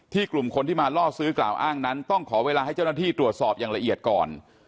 กลุ่มคนที่มาล่อซื้อกล่าวอ้างนั้นต้องขอเวลาให้เจ้าหน้าที่ตรวจสอบอย่างละเอียดก่อน